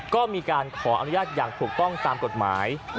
ก็มีการขออนุญาตอย่างถูกต้องตามกฎหมาย